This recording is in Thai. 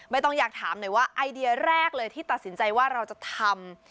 ไม่ต้องอยากถามหน่อยว่าไอเดียแรกเลยที่ตัดสินใจว่าเราจะทำ